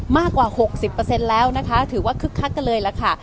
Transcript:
มากกว่าหกสิบเปอร์เซ็นต์แล้วนะคะถือว่าคึกคัดกันเลยละค่ะ